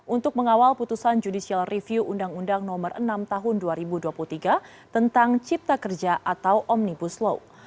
untuk mengawal putusan judicial review undang undang nomor enam tahun dua ribu dua puluh tiga tentang cipta kerja atau omnibus law